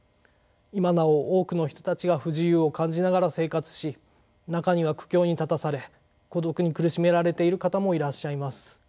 今なお多くの人たちが不自由を感じながら生活し中には苦境に立たされ孤独に苦しめられている方もいらっしゃいます。